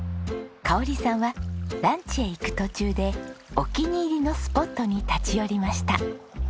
香さんはランチへ行く途中でお気に入りのスポットに立ち寄りました。